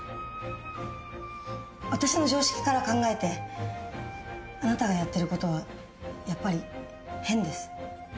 私の常識から考えてあなたがやってる事はやっぱり変です。